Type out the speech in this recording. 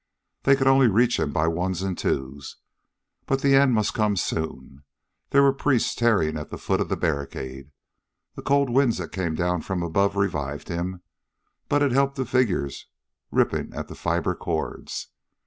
They could only reach him by ones and twos, but the end must come soon. There were priests tearing at the foot of the barricade.... The cold winds that came down from above revived him, but it helped the figures ripping at the fiber cords.